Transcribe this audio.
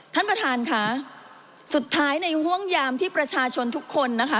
ท่านประธานค่ะสุดท้ายในห่วงยามที่ประชาชนทุกคนนะคะ